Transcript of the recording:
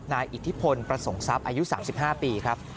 อิทธิพลประสงค์ทรัพย์อายุ๓๕ปีครับ